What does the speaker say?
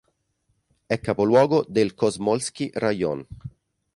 È capoluogo del Komsomol'skij rajon.